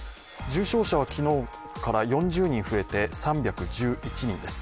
重症者は昨日から４０人増えて３１１人です。